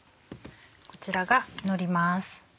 こちらがのります。